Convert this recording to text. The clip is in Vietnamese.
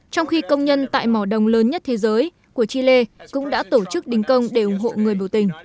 trong khi công nhân tại mỏ đồng lớn nhất thế giới của chile cũng đã tổ chức đình công để ủng hộ người biểu tình